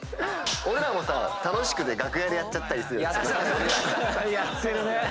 俺らもさ楽しくて楽屋でやっちゃったりするよね。